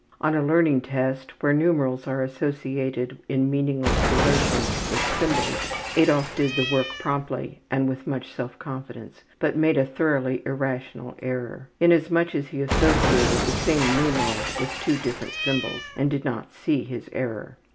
On a ``Learning Test,'' where numerals are associated in meaningless relation with symbols, Adolf did the work promptly and with much self confidence, but made a thoroughly irrational error, inasmuch as he associated the same numeral with two different symbols and did not see his error.